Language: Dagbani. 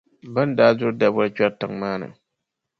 Bɛ ni daa duri daboli n-kpɛri tiŋ’ maa ni.